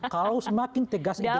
kalau semakin tegas identitas